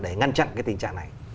để ngăn chặn cái tình trạng này